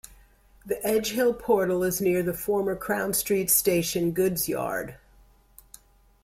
The Edge Hill portal is near the former Crown Street Station goods yard.